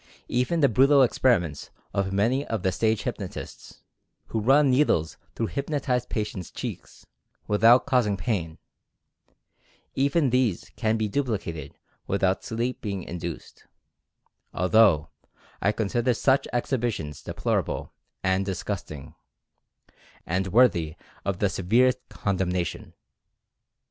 Even the brutal experiments of many of the stage hypnotists, who run needles through hypnotized patient's cheeks, without causing pain — even these can be duplicated without sleep being induced, al though I consider such exhibitions deplorable and disgusting, and worthy of the severest condemnation.